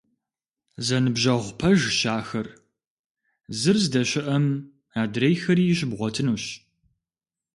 Зэныбжьэгъу пэжщ ахэр, зыр здэщыӀэм адрейри щыбгъуэтынущ.